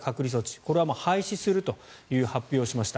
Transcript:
これはもう廃止するという発表をしました。